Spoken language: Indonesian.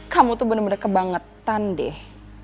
kamu tuh bener bener kebangetan deh